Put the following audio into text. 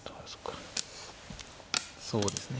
そうですね。